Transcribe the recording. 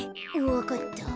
わかった。